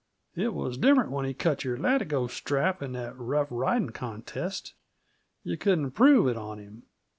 It was different when he cut your latigo strap in that rough riding contest; yuh couldn't prove it on him.